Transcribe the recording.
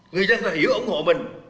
người dân phải hiểu ủng hộ mình